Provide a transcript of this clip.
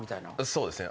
そうですね。